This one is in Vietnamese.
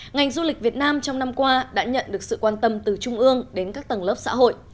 ngành du lịch việt nam trong năm qua đã nhận được sự quan tâm từ trung ương đến các tầng lớp xã hội